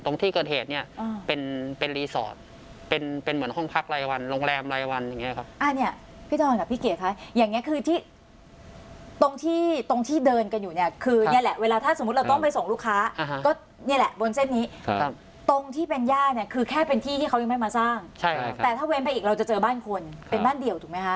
ตรงที่เกิดเหตุเนี้ยเป็นเป็นรีสอร์ตเป็นเป็นเหมือนห้องพักรายวันโรงแรมรายวันอย่างเงี้ยครับอ่าเนี้ยพี่ดอนกับพี่เกียจคะอย่างเงี้ยคือที่ตรงที่ตรงที่เดินกันอยู่เนี้ยคือนี่แหละเวลาถ้าสมมุติเราต้องไปส่งลูกค้าก็เนี้ยแหละบนเส้นนี้ครับตรงที่เป็นย่าเนี้ยคือแค่เป็นที่ที่เขายังไม่มาสร้างใช่